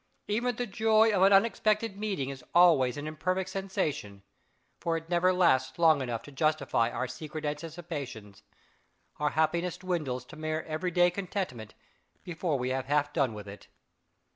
Even the joy of an unexpected meeting is always an imperfect sensation, for it never lasts long enough to justify our secret anticipations our happiness dwindles to mere every day contentment before we have half done with it.